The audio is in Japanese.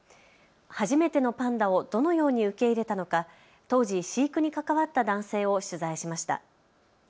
初めてのパンダをどのように受け入れたのか、当時、飼育に関わった男性を取材しました。